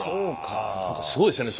すごいですよね